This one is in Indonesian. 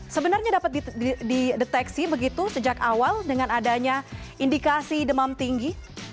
sebenarnya dapat dideteksi begitu sejak awal dengan adanya indikasi demam tinggi